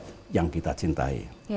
rakyat yang kita cintai